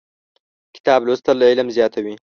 کتاب لوستل علم زیاتوي.